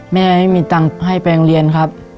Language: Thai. ไม่มีตังค์ให้ไปโรงเรียนครับ